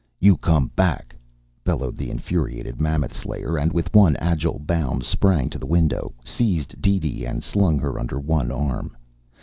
"You come back!" bellowed the infuriated Mammoth Slayer, and with one agile bound sprang to the window, seized DeeDee and slung her under one arm.